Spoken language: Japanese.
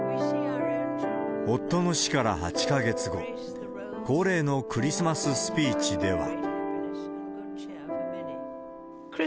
夫の死から８か月後、恒例のクリスマススピーチでは。